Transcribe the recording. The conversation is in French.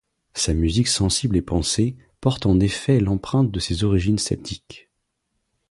Sa musique sensible et pensée, porte en effet l'empreinte de ses origines celtiques.